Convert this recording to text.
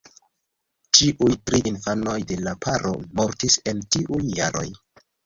Ĉiuj tri infanoj de la paro mortis en tiuj jaroj.